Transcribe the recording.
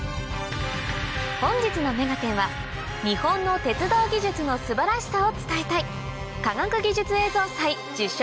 本日の『目がテン！』は日本の鉄道技術の素晴らしさを伝えたい科学技術映像祭受賞